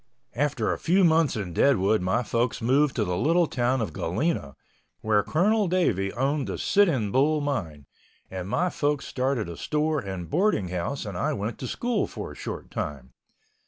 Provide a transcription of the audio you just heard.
After a few months in Deadwood my folks moved to the little town of Galena, where Colonel Davey owned the Sitting Bull mine, and my folks started a store and boarding house and I went to school for a short time.